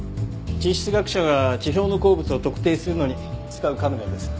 地質学者が地表の鉱物を特定するのに使うカメラです。